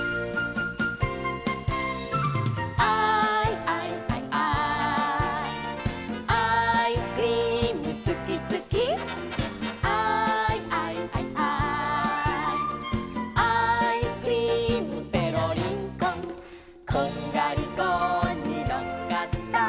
「アイアイアイアイ」「アイスクリームすきすき」「アイアイアイアイ」「アイスクリームペロリンコン」「こんがりコーンにのっかった」